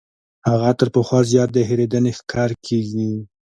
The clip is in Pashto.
هغه تر پخوا زیات د هېرېدنې ښکار کیږي.